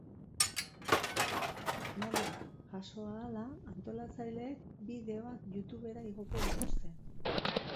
Lanak jaso ahala antolatzaileek bideoak youtubera igoko dituzte.